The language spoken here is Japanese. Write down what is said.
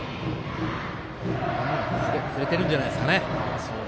振れてるんじゃないですかね。